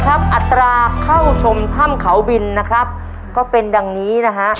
อัตราเข้าชมถ้ำเขาบินนะครับก็เป็นดังนี้นะฮะ